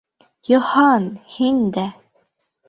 Йыһан, һин дә!..